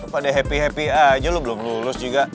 pada happy happy aja lu belum lulus juga